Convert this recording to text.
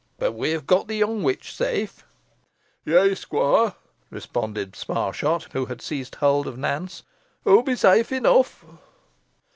But we have got the young witch safe." "Yeigh, squoire!" responded Sparshot, who had seized hold of Nance "hoo be safe enough."